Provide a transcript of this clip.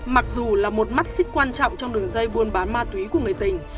mặc dù là một mắt xích quan trọng trong đường dây buôn bán ma túy của người tình